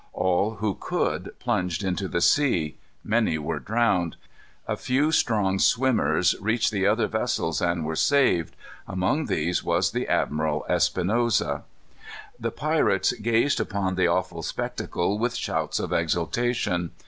All, who could, plunged into the sea. Many were drowned. A few strong swimmers reached the other vessels and were saved. Among these was the Admiral Espinosa. The pirates gazed upon the awful spectacle with shouts of exultation.